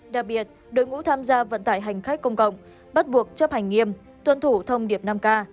đặc biệt đội ngũ tham gia vận tải hành khách công cộng bắt buộc chấp hành nghiêm tuân thủ thông điệp năm k